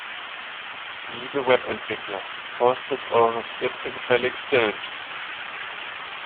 Liebe Webentwickler, hostet eure Skripte gefälligst selbst!